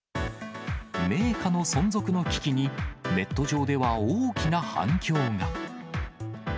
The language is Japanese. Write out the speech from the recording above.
銘菓の存続の危機に、ネット上では大きな反響が。